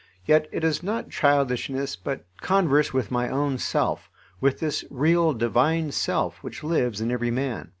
Yet it is not childishness, but converse with my own self, with this real divine self which lives in every man.